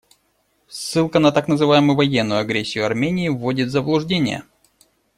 Ссылка на так называемую военную агрессию Армении вводит в заблуждение.